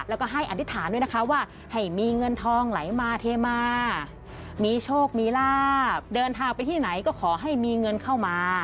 แล้วก็ให้อธิษฐานด้วยนะคะว่าให้มีเงินทองไหลมาเทมามีโชคมีลาบเดินทางไปที่ไหนก็ขอให้มีเงินเข้ามา